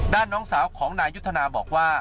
น้องสาวของนายยุทธนาบอกว่า